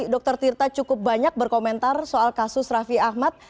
dr tirta cukup banyak berkomentar soal kasus rafi ahmad